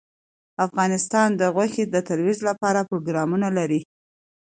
افغانستان د غوښې د ترویج لپاره پروګرامونه لري.